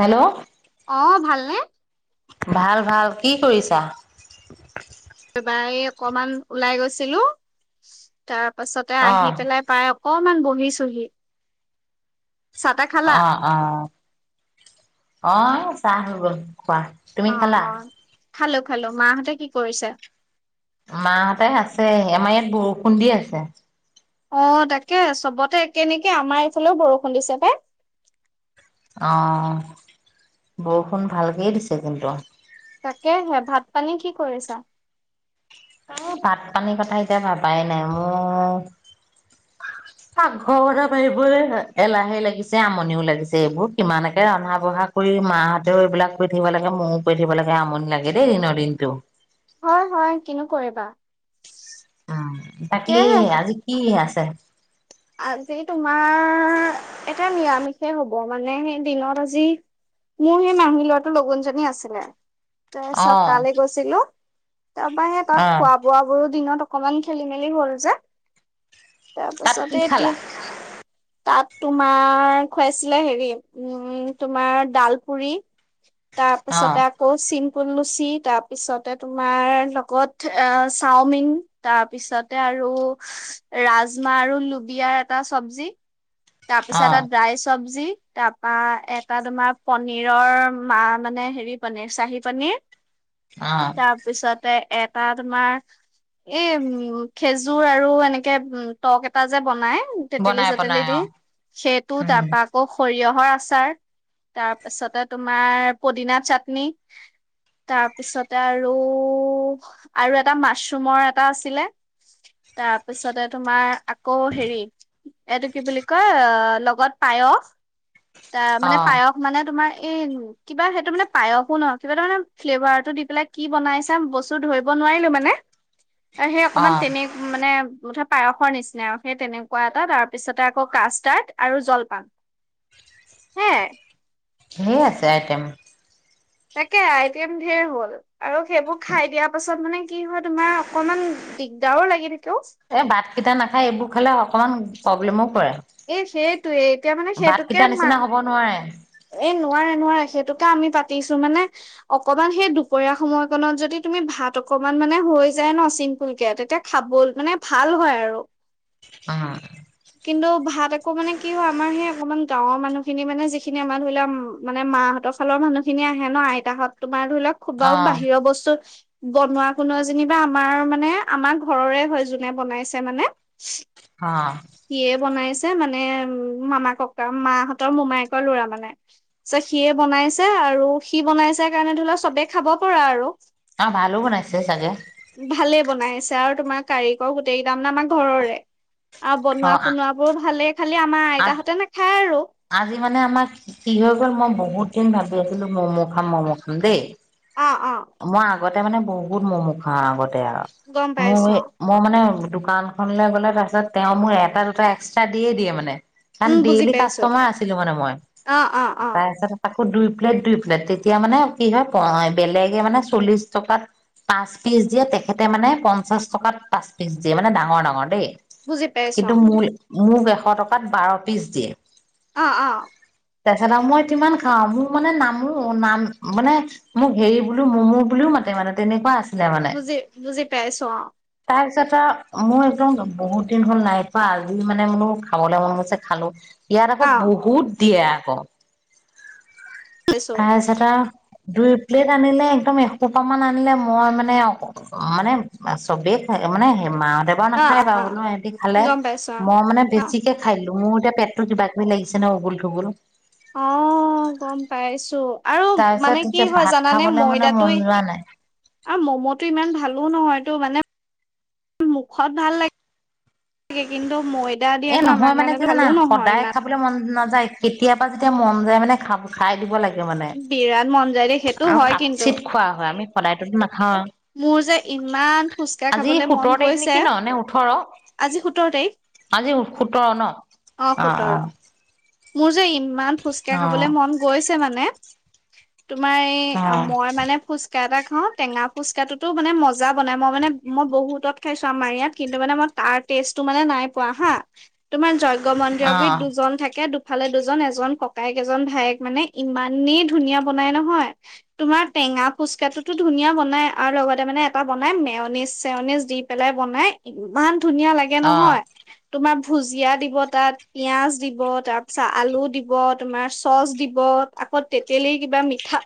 Hello অঁ ভালনে? ভাল ভাল কি কৰিছা? তাপা এই অকমান ওলাই গৈছিলো তাৰ পাছতে অ আহি পেলাই পায় অকমান বহিচুহি, চাহ তাহ খালা? অঁ অঁ চাহ হৈ গল খোৱা, তুমি অ খালা? অ খালো খালো, মাহঁতে কি কৰিছে? মাহঁতে আছে আমাৰ ইয়াত বৰষুণ দি আছে। অঁ তাকে চবতে একেই নিকি আমাৰ এইফালেও বৰষুণ দিছে পাই। অঁ বৰষুণ ভালকেই দিছে কিন্তু। তাকে হে ভাত পানী কি কৰিছা? এ ভাত পানীৰ কথা এতিয়া ভাবাই নাই মো পাকঘৰ কথা পাতিবলৈ এলাহে লাগিছে আমনিও লাগিছে এইবোৰ কিমানকে ৰন্ধা বঢ়া কৰি মাহঁতেও এইবিলাক কৰি থাকিব লাগে ময়ো কৰি থাকিব লাগে আমনি লাগে দেই দিনৰ দিনটো। হয় হয় কিনো কৰিবা। উম বাকী তাকেহে আজি কি আছে? আজি তোমাৰ এটা নিৰামিষেই হ'ব মানে সেই দিনত আজি মোৰ সেই মাহি ল'ৰাটোৰ লগুণদিয়নী আছিলে। তাৰ অ পিছত তালৈ গৈছিলো তাৰ পৰা সে তাত অ খোৱা বোৱা বোৰু দিনত অকমান খেলি মেলি হ'ল যে তাত তাৰপাছতে কি এতি খালা? তাত তোমাৰ খুৱাইচিলে হেৰি উম তোমাৰ ডাল পুৰি তাৰপিছতে অ', আ কৌ চিম্পুল লুচি, তাৰপিছতে তোমাৰ লগত অ চাওমিন। তাৰপিছতে আৰু ৰাজমা আৰু লো দিয়াৰ এটা চবজি, তাৰপিছত এটা অ', ড্ৰাই চব্জি, তাৰপা এটা তোমাৰ পনীৰৰ মা মানে হেৰি পনীৰ চাহি পনীৰ, অঁ। তাৰপিছতে এটা তোমাৰ এ উম খেজুৰ আৰু এনেকে উ টক এটা যে বনাই- তেতেলি বনাই চেতেলি বনাই দি অ', সেইটো উম, তাৰপা- আকৌ সৰিয়হৰ আচাৰ তাৰপিছতে তোমাৰ পদিনা চাটনি। তাৰপিছতে আৰু আৰু এটা মাছৰুমৰ এটা আছিলে। তাৰপিছতে তোমাৰ আক- কৌ হেৰি এইটো কি বুলি কয় লগত পায়স। তা মানে অ', পায়স মানে তোমাৰ এই- কিবা সেইটো মানে পায়সো নহয়, কিবা তাৰ মানে ফ্লেভাৰটো দি পেলাই কি বনাইছে বস্তু ধৰিব নোৱাৰিলো মানে। আৰু সেই অকমান অ', তেনে মানে মুঠতে পায়সৰ নিচি- না আও সেই তেনেকুৱা এটা, তাৰপিছতে আকৌ কাষ্ট কাৰ্ড আৰু জলপান। সেয়াই [inaudible] ধেই আছে আইটেম। তাকে আই তেম ধেৰ হ'ল। আৰু সেইবোৰ খাই দিয়া পাছত মানে কি হয় তোমাৰ অকনমান দিগদাৰো লাগি থাকে অও। এই ভাত কেইটা নাখায় এইবোৰ খালে অকমান প্ৰব্লেমো পৰে। এই সেইটোয়ে, এতিয়া মানে সেইটোকে নিচিনা মা- হ'ব নোৱাৰে। এই নোৱাৰে নোৱাৰে সেইটোকে আমি পাতিছো মানে- অকমান সেই দুপৰীয়া সময়কনত যদি তুমি ভাত অকমান মানে হৈ যায় ন চিম্পুলকে, তেতিয়া- খাবল মানে ভাল হয় আৰু। অঁ' কিন্তু ভাত আকৌ মানে কি হয় আমাৰ সেই অকমান গাঁৱৰ মানুহখিনি মানে যি- খিনি আমাৰ ধৰি ল মানে মাহঁতৰ ফালৰ মানুহ খিনি আহে ন আইতাহত তোমাৰ ধৰি লওক, - খু বাও অ', বাহিৰৰ বস্তু- বনোৱা খোনোৱা জনিবা আমাৰ মানে আমাৰ ঘৰৰে হয় যোনে বনাইছে মানে। হাঁ' সিয়ে বনাইছে মানে উম মামা ককা মাহঁতৰ মোমায়েকৰ লৰা মানে। চ সিয়ে বনাইছে আৰু সি বনাইছে কাৰণে ধৰি লোৱা চবেই খাব পৰা আৰু। আৰু ভালো বনাইছে চাগে। ভালেই বনাইছে আৰু তোমাৰ কাৰিকৰ গোটেই গেইটা মানে আমাৰ ঘৰৰে আৰু বনোৱা অ', খোনোৱা- বোৰ ভালেই, খালি আমাৰ আ আইতাহঁতে নাখায় আৰু। আজি মানে আমা কি হৈ গ'ল মই বহুত দিন ভাবি আছিলো ম'ম' খাম ম'ম' খাম দেই। অঁ অঁ। মই আগতে মানে বহুত মমো খাওঁ আগতে আও, গম মোৰ পাইছো অ এই- মই মানে দোকানখনলে গ'লে তাৰপিছত তেওঁ মোক এটা দুটা এক্সট্ৰা দিয়ে দিয়ে মানে। কাৰণ উম বুজি ডেইলি পাইছো কাষ্টমাৰ আছিলো মানে মই, অ অ অ তাৰপিছত- তাকো দুই প্লেট দুই প্লেট তেতিয়া মানে কি হয় বেলেগে মানে চল্লিশ টকাত- পাঁচ পিচ দিয়ে তেখেতে মানে পঞ্চাশ টকাত পাঁচ পিচ দিয়ে মানে ডাঙৰ ডাঙৰ দেই। বুজি পাইছো কিন্তু মোৰ মোক এশ টকাত বাৰ পিচ দিয়ে। অঁ অঁ। তাপিছত আও মই কিমান খাওঁ মোৰ মানে নামো নাম মানে- মোক হেৰি বোলো মমু বুলিও মাতে মানে তেনেকুৱা আছিল। বুজি বুজি পাইছোঁ অঁ। তাৰ পিছত আও মোৰ একদম বহুত দিন হ'ল নাই খোৱা আজি মানে বোলো খাবলে মন গৈছে খালো। ইয়াত আকৌ অ বহুত দিয়ে আক পাইছো তাৰপিছত আও- দুই প্লেট আনিলে একদম এসোপামান আনিলে মই মানে আক মানে চবেই খায় মানে মাঁহতে অ নেখায় অ অ বাৰু ন সিহঁতি খালে গম পাইছো মই মানে অ বেছিকে খায় দিলো, মোৰ এতিয়া পেট টো কিবা কিবি লাগিছে ন উঘুল তুঘুল। অঁ গম পাইছো। আৰু তাৰপিছত মানে কি এতিয়া হয় ভাত জানানে খাবলৈ মানে মন ময়দাটোৱে যোৱা নাই। আৰু মম'টো ইমান ভালো নহয়টো মানে মুখত ভাল লাগে কিন্তু মই এ নহয় মানে কি জানা, সদায় খাবলে মন নাযায় কেতিয়াবা যেতিয়া মন যায় মানে খাব খায় দিব লাগে মানে, বিৰাট মন যায় দেই সেইটো আৰু হয় কাট কিন্তু চিত খোৱা হয় আমি সদায়টোতো নাখাওঁ। মোৰ যে ইমান ফোচকা আজি খাবলে সোতৰ মন তাৰিখ নেকি গৈছে! ন নে ওঠৰ আজি সোতৰ তাৰিখ। আজি সোতৰ ন? অ অঁ সোতৰ অঁ। মোৰ যে ইমান ফোচকা খাবলে মন অ গৈছে মানে তোমাৰ এই মই মানে ফুচকা এটা খাওঁ টেঙা খুচকাটোতো মানে মজা বনাই, মই মানে মই বহুতত খাইছো আমাৰ ইয়াত কিন্তু মানে মই তাৰ টেষ্টটো মানে নাই পোৱা হা, তোমাৰ যজ্ঞ মন্দিৰৰ অ গুৰিত দুজন থাকে দু ফালে দুজন এজন ককায়েক এজন ভায়েক মানে ইমানেই ধুনীয়া বনাই নহয় তুমাৰ টেঙা ফুচকাটোতো ধুনীয়া বনাই আৰু লগতে মানে এটা বনাই মেওনিজ চেওনিজ দি পেলাই বনাই ইমান ধুনীয়া লাগে অ অ নহয়! তোমাৰ ভুজিয়া দিব তাত পিয়াজ দিব তাৰপিছত আলু দিব তোমাৰ চচ দিব আকৌ তেতেলীৰ কিবা মিঠা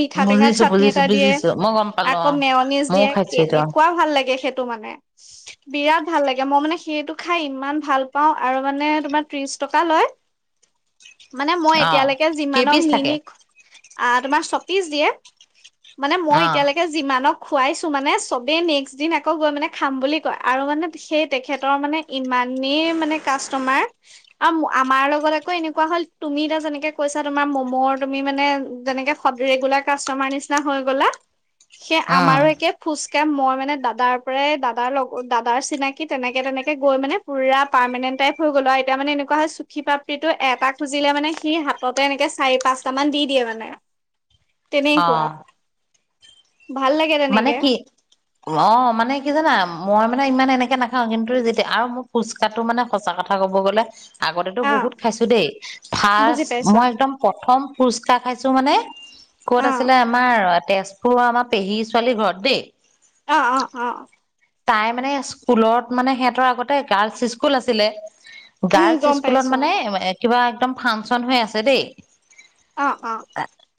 মিঠা টেঙা বুজিছো চাটনি বুজিছো এটা দিয়ে বুজিছো মই গম পালো অ আকৌ মেৰনিজ ময়ও দিয়ে খাইছো এইটো অ কেনেকুৱা ভাল লাগে সেইটো মানে! [unintelligible] বিৰাট ভাল লাগে, মই মানে সেইটো খায় ইমান ভাল পাওঁ আৰু মানে তোমাৰ ত্ৰিশ টকা লয়। [inaudible] মানে মই অ এতিয়ালৈকে কেই যিমানক পিচ নি থাকে নি, আ তোমাৰ ছপিচ দিয়ে। মানে মই অ এতিয়ালে যিমানক খুৱাইছোঁ মানে চবেই নেক্সট দিন আকৌ গৈ মানে খাম বুলি কয়, আৰু মানে সেই তেখেতৰ মানে ইমানেই মানে কাষ্টমাৰ আৰু আমাৰ লগত আকৌ এনেকুৱা হ'ল, তুমি এতিয়া যেনেকে কৈছা তোমাৰ মমৰ তুমি মানে যেনেকে ৰেগুলাৰ কাষ্টমাৰ নিচিনা হৈ গ'লা, সেই উম আমাৰো একে ফুচকা মই মানে দাদাৰ পৰাই দাদাৰ লগত দাদাৰ চিনাকি তেনেকে তেনেকে গৈ মানে পোৰা পাৰমানেণ্ট টাইপ হৈ গলো আও, এতিয়া মানে এনেকুৱা হয় চুখী পাপ্ৰীটো এটা খুজিলে মানে সি হা ততে এনেকে চাৰি পাঁচটা মান দি দিয়ে মানে। [inaudible] তেনেকুৱা। ভাল লাগে মানে তেনেকে কি? অ' মানে কি জানা? মানে ইমান এনেকে নাখাওঁ, কিন্তু যেতিয়া আৰু মোক ফুচ কাটো মানে সঁচা কথা ক'ব গ'লে, আগতেতো অ', বহুত খাইছোঁ দেই বুজি ফাৰ্ষ্ট পাইছো মই একদম প্ৰথম ফুচকাৰ খাইছোঁ মানে, ক'ত অ', আছিলে আমাৰ তেজপুৰৰ আমাৰ পেহী ছোৱালী ঘৰত দেই। অঁ অঁ অঁ। তাই মানে স্কুলত মানে সিহঁতৰ আগতে গাৰ্লচ স্কুল আছিলে। উম, গাৰ্লচ গম স্কুলত পাইছো মানে এ কিবা একদম ফাংচন হৈ আছে দেই। অ'অ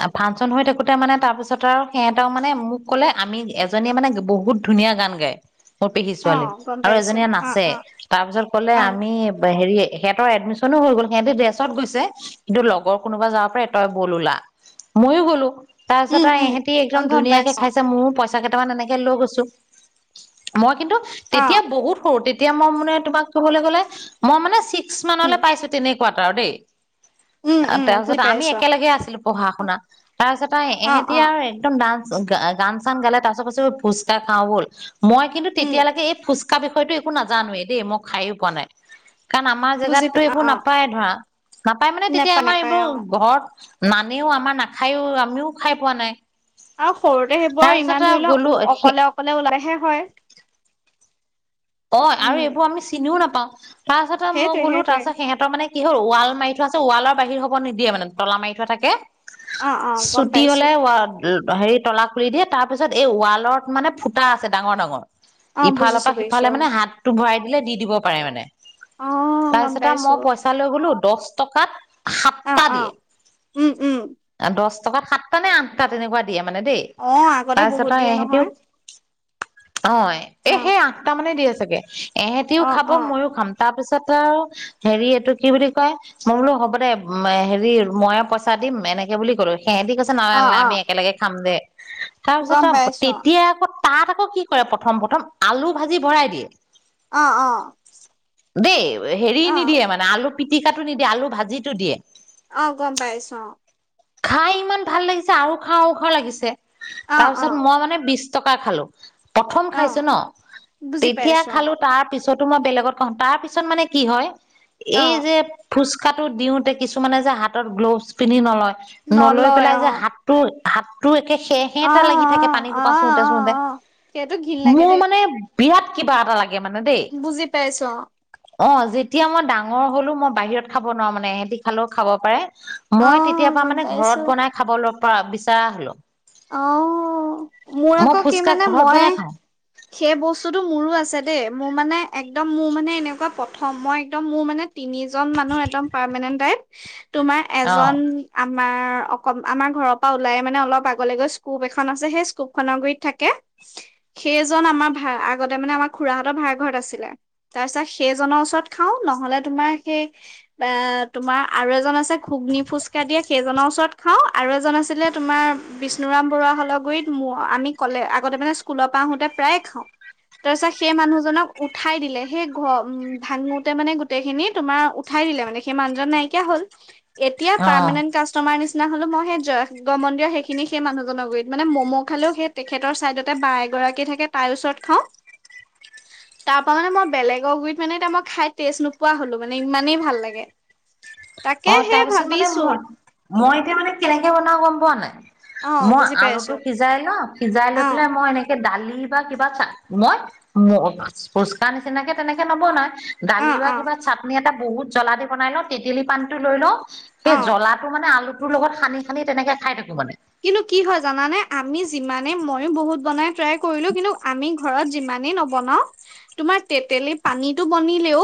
এ ফাংচন হৈ থাকোঁতে মানে তাৰ পিছত আৰু সিহঁতে মানে মোক ক'লে আমি জনীয়ে মানে বহুত ধুনীয়া গান গায়। মোৰ পেহী অ', ছোৱালী অ', গম আৰু পাইছো এজনীয়ে অ', নাচে। অ', তাৰপিছত ক'লে অ', আমি হেৰি সিহঁতৰ এডমিশ্যনো হৈ গ'ল সিহঁতে ডেছত গৈছে কিন্তু লগৰ কোনোবা যাব পাৰে তই বল ওলা। মইয়ো গ'লো উম, তাৰপিছত আৰু উম, এহেতি অ', একদম গম ধুনীয়াকে পাইছো খাইছে ময়ো পইচা কেইটামান এনেকে লৈ গৈছোঁ। মই কিন্তু তেতিয়া অ', বহুত সৰু তেতিয়া মই মানে তোমাক ক'বলৈ গ'লে মই মানে ছিক্স ছিক্স উম, মানলে পাইছোঁ তেনে কোৱাত আৰু দেই উম, উম, বুজি তাৰপিছতে আমি পাইছো একেলগে আছিলোঁ পঢ়া শুনা। তাৰপিছত আৰু অ', এহেতি অ', আৰু একদম ডান্স এ গান চান গালে তাৰ পাছত কৈছে ঐ ফুচকা খাওঁ ব'ল মই কিন্তু উম, তেতিয়ালৈকে এই ফুচ ফুচকা বিষয়টো একো নাজানোৱেই দেই মই খাইয়ো পোৱা নাই। কাৰণ আমাৰ বুজি জেগাতটো পাই অ', এইবোৰ অ', নাপায় ধৰা নাপাই মানে তেতিয়া নেপায় আমাৰ নেপায় এইবোৰ অ', ঘৰত নানেও আমাৰ নাখায়ো আমিও খাই পোৱা নাই। আৰু সৰুতে সেইবোৰ তাৰপিছত ইমান আৰু ধৰি গ'লো লওঁক অকলে অকলে ওলাইহে হয়। অ' আৰু উম, এইবোৰ আমি চিনিও নাপাওঁ। তাৰপাছতে মই সেইটোৱে গ'লো সেইটোৱে তাৰপিছত সিহঁতৰ মানে কি হল ৱাল মাৰি থোৱা আছে ৱালৰ বাহিৰ হ'ব নিদিয়ে মানে তলা মাৰি থোৱা অ', অ', থাকে। গম ছুটি পাইছো হ'লেহে ওৱাদ এই হেৰি তলা খুলি দিয়ে তাৰ পিছত এই ৱালত মানে ফুটা আছে ডাঙৰ ডাঙৰ অ' বুজিছোঁ বে ইফালে মানে হাতটো ভৰাই দিলে দি দিব পাৰে মানে অ', গম তাৰপিছত পাইছো মই পই পইচা লৈ গলোঁ দহ টকাত সাতটা অ' অ দিয়ে উম উম। দহ টকাত সাতটা নে আঠটা তেনেকুৱা দিয়ে মানে দেই অ', আগতে তাৰপিছত বহুত আও দিয়ে এহেতিও নহয় অ এ অ', সেয়াই আঠ টাৰ মানে দিয়ে চাগে এহেঁতিও অ', খাব অ', ময়ো খাম তাৰপিছত আৰু হেৰি এইটো কি বুলি কয় মই বোলো হ'ব দে হেৰি মইয়ে পইচা দিম এনেকে বুলি কলো সেহেতি কৈছে নালাগে অ নালাগে অ আমি একেলগে খাম দে তাৰপিছত গম পাইছো তেতিয়া আকৌ তাত আকৌ কি কৰে প্ৰথম প্ৰথম আলু ভাজি ভৰাই দিয়ে। অ' অ' দেই হেৰি অ নিদিয়ে মানে আলু পিটিকাটো নিদিয়ে আলু ভাজিটো দিয়ে অ' গম পাইছো অ খাই ইমান ভাল লাগিছে আৰু খাও খাও লাগিছে অ অ তাৰপিছত মই মানে বিচ টকা খালো। প্ৰথম অ অ খাইছো ন' বুজি তেতিয়া পাইছো খালো অ তাৰ পিছতো মই বেলেগত খাওঁ তাৰ পিছত মানে কি হয় অ এই যে ফুচকাটো দিওঁতে কিছুমানে যে হাতত গ্ল'ভছ পিন্ধি নলয় নলৈ নলয় পেলাই অ যে হাত তোৰ হাতটো একেহে অ অ কেহেটা লাগি থাকে পানী অ সোপা চোওতে অ চোওতে অ সেইটো ঘিণ লাগে মোৰ দেই মানে বিৰাট কিবা এটা লাগে। লাগে মানে দেই। বুজি পাইছো অ যেতিয়া মই ডাঙৰ হলো মই বাহিৰত খাব নোৱাৰো মানে সিহতি খালেও খাব পাৰে। অ মই অ তেতিয়া পৰা গম মানে পাইছো ঘৰত বনাই খাবলৈ পৰা বিচৰা হলো। অ মোৰ আকৌ মই কি ফুচকা মানে ঘৰত মই বনাই খাওঁ। সেই বস্তুটো মোৰো আছে দেই মোৰ মানে একদম মোৰ মানে এনেকুৱা প্ৰথম মই একদম মোৰ মানে তিনিজন মানুহ একদম পাৰমেনেন্ট টাইপ তোমাৰ অ এজন আমাৰ অকণ, আমাৰ ঘৰৰ পৰা ওলাই মানে অলপ আগত গ'লে গৈ স্কুপ এখন আছে, সেই স্কুপখনৰ গুৰিত থাকে। সেইজন আমাৰ ভা, আগতে মানে আমাৰ খুড়াহঁতৰ ভাড়া ঘৰত আছিলে। তাৰপিছত সেইজনৰ ওচৰত খাওঁ, নহ'লে তোমাৰ সেই বা তোমাৰ আৰু এজন আছে ঘুগনি ফুচকা দিয়ে সেইজনৰ ওচৰত খাওঁ আৰু এজন আছিলে তোমাৰ বিষ্ণুৰাম বৰুৱা হ'লৰগুৰিত ম আমি কলে আগতে মানে স্কুলৰ পৰা আহোঁতে প্ৰায়ে খাওঁ। তাৰ পিছত সেই মানুহজনক উঠাই দিলে, সেই ঘৰ উম' ভাঙোতে মানে গোটেইখিনি তোমাৰ উঠাই দিলে মানে, সেই মানুহজন নাইকিয়া হ'ল। এতিয়া অ পাৰ্মানেণ্ট কাষ্টমাৰ নিচিনা হলোঁ, মই সেই জাগ শিৱমন্দিৰৰ সেই খিনি সেই মানুহজনৰ গুৰিত, মানে ম'ম খালেও সেই তেখেতৰ চাইদতে বা এগৰাকী থাকে তাইৰ ওচৰত খাওঁ। [inaudible] তাৰপৰা মানে মই বেলেগৰ গুৰিত মানে এতিয়া মই খাই টেষ্ট নোপোৱা হলোঁ, মানে ইমানেই ভাল লাগে। তাকে অ' সেই তাৰপিছত মানে ভাবিছো মই, মই এতিয়া মানে কেনেকে বনাও গম পোৱা নাই অ মই বুজি পাইছো আলুটো সিজাই লও, সিজাই লৈ অ পেলাই মই এনেকে এ দালি বা কিবা চা, মই ম ফুচকা নিচিনাকে তেনেকে নবনাই অ দালি বা অ কিবা চাটনি এটা বহুত জ্বলা দি বনাই লওঁ, তেঁতেলী পানীটো লৈ লওঁ, সেই অ জ্বলা টো মানে আলুটোৰ লগত সানি-সানি তেনেকে খাই থাকো মানে। কিন্তু কি হয় জানানে, আমি যিমানে মইয়ো বহুত বনাই ট্ৰাই কৰিলোঁ, কিন্তু আমি ঘৰত যিমানেই নবনাও, তোমাৰ তেতেলী পানীটো বনি বনিলেও,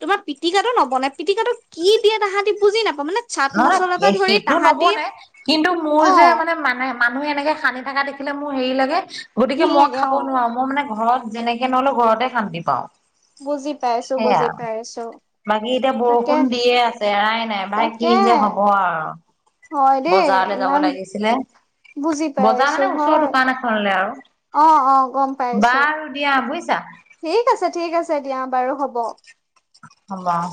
তোমাৰ পিটিকাটো নবনে পিটিকাটো কি দিয়ে তাহাতি বুজি নাপাওঁ মানে চাট নহয়, মছলাৰ পৰা নহয় ধৰি সেইটো তাহাঁতি নবনে। কিন্তু মোৰ অ যে মানে, মানে মানুহে এনেকে সানি থকা দেখিলে মোৰ হেৰি লাগে। গতিকে ঘিণ মই লাগে খাব অ নোৱাৰোঁ, মই মানে ঘৰত যেনেকে নহ'লেও ঘৰতে শান্তি পাওঁ। বুজি পাইছোঁ, সেয়া বুজি পাইছোঁ। বাকী এতিয়া বৰষুণ দিয়ে আছে, এৰাই নাই ভাই তাকে কি যে হ'ব আৰু। হয় দেই বজাৰলে যাব ইমান লাগিছিলে। বুজি বজাৰ পাইছো মানে ওচৰৰ হয় দোকান এখনলৈ আৰু অ অ গম বা পাইছো বাৰু দিয়া বুজিছা। ঠিক আছে, ঠিক আছে, দিয়া বাৰু হ'ব। হ'ব।